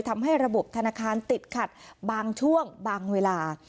ทำให้ระบบธนาคารติดขัดบางช่วงบางเวลา